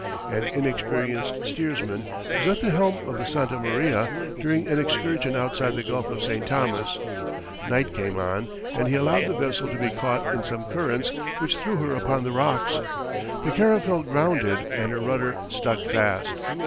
An inexperienced steersman was at the helm of the Santa Maria during an excursion outside the Gulf of St. Thomas; night came on, and he allowed the vessel to be caught in some currents which threw her upon the rocks; the caravel grounded and her rudder stuck fast.